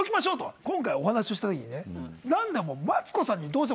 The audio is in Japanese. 今回お話をしたときにね何でも。